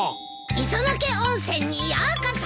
磯野家温泉にようこそ！